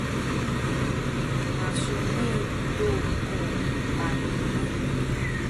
masuni tu ku baninih